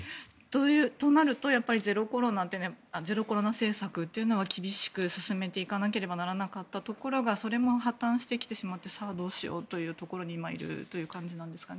となるとゼロコロナ政策というのは厳しく進めていかなければならなかったところがそれも破綻してきてしまってさあ、どうしようというところに今いるという感じなんですかね。